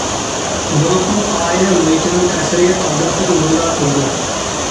بولۇپمۇ ئائىلە مۇھىتىنىڭ تەسىرى ئالدىنقى ئورۇندا تۇرىدۇ.